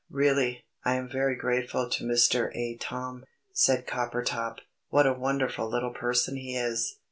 "Really, I'm very grateful to Mr. Atom," said Coppertop; "what a wonderful little person he is."